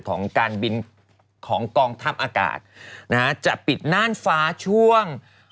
ของการบินของกองทัพอากาศนะฮะจะปิดน่านฟ้าช่วง